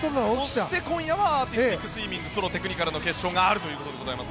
そして、今夜はアーティスティックスイミングソロ・テクニカルの決勝があるということでございます。